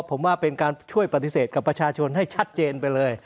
ผมว่าเป็นการช่วยปฏิเสธกับประชาชนให้ชัดเจนไปเลย